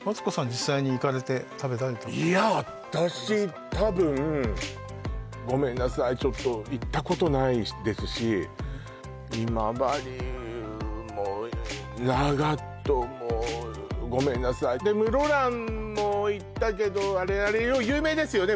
実際に行かれて食べられたいや私多分ごめんなさいちょっと行ったことないですし今治も長門もごめんなさいで室蘭も行ったけどあれあれよ有名ですよね